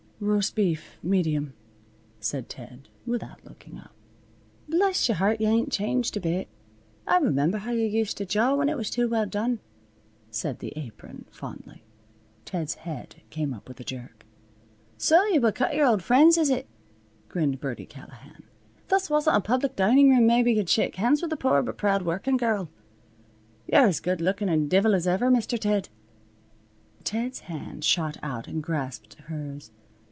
"Roast beef, medium," said Ted, without looking up. "Bless your heart, yuh ain't changed a bit. I remember how yuh used to jaw when it was too well done," said the Apron, fondly. Ted's head came up with a jerk. "So yuh will cut yer old friends, is it?" grinned Birdie Callahan. "If this wasn't a public dining room maybe yuh'd shake hands with a poor but proud workin' girrul. Yer as good lookin' a divil as ever, Mister Ted." Ted's hand shot out and grasped hers.